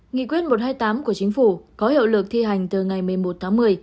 nghị quyết một trăm hai mươi tám của chính phủ có hiệu lực thi hành từ ngày một mươi một tháng một mươi